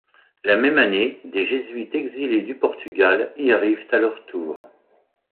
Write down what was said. La même année des jésuites exilés du Portugal y arrivent à leur tour...